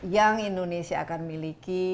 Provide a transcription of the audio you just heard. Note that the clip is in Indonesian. yang indonesia akan miliki